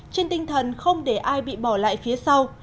trên tinh thần không để ai bị bỏ lại phía sau